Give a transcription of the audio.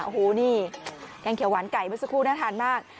โอ้โหนี่แกงเขียวหวานไก่เมื่อสักครู่น่าทานมาก